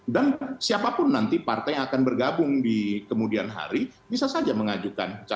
dan siapapun nanti partai yang akan bergabung di kemudian hari bisa saja mengajukan